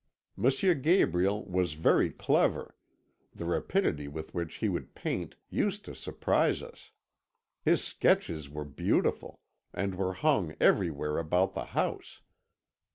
M. Gabriel was very clever; the rapidity with which he would paint used to surprise us; his sketches were beautiful, and were hung everywhere about the house.